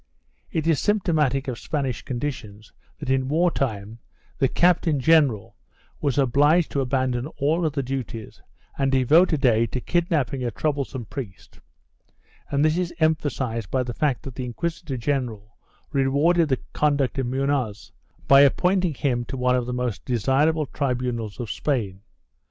It is symptomatic of Spanish conditions that in war time the captain general was obliged to abandon all other duties and devote a day to kidnapping a troublesome priest, and this is emphasized by the fact that the inquisitor general rewarded the conduct of Mufioz by appointing him to one of the most desirable tribunals of Spain.